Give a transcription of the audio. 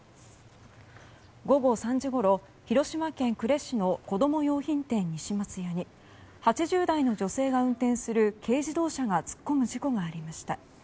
午後３時ごろ、広島県呉市の子供用品店・西松屋に８０代の女性が運転する軽自動車が突っ込む事故がありました。